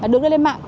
được lên mạng